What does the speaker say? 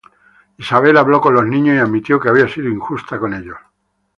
Isabel habló con los niños y admitió que había sido injusta con ellos.